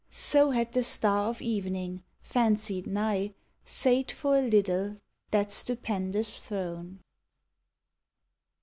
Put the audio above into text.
So had the star of evening, fancied nigh, Sate for a little that stupendous throne.